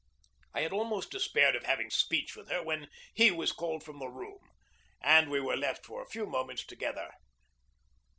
I had almost despaired of having speech with her when he was called from the room, and we were left for a few moments together.